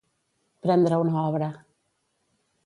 Prendre una obra.